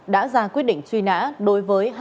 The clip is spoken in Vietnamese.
đã ra quyết định truy nã đối với